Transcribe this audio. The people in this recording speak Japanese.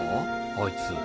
あいつ。